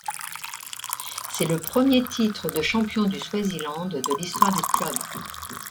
C'est le premier titre de champion du Swaziland de l'histoire du club.